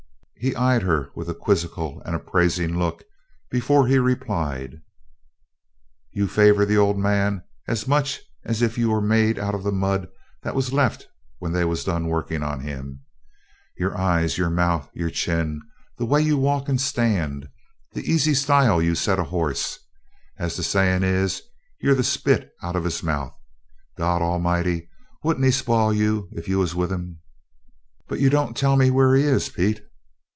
He eyed her with a quizzical and appraising look before he replied: "You favor the Old Man as much as if you was made out of the mud that was left when they was done workin' on him. Your eyes, your mouth, your chin the way you walk and stand the easy style you set a horse. As the sayin' is, 'You're the spit out of his mouth.' God A'mighty! Wouldn't he spile you if you was with him!" "But you don't tell me where he is, Pete!"